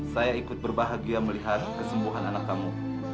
saya ikut berbahagia melihat kesembuhan anak kamu